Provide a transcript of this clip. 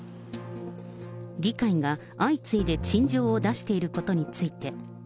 議会が相次いで陳情を出していることについて。